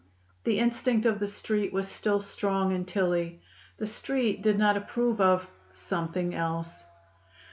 The instinct of the Street was still strong in Tillie. The Street did not approve of "something else."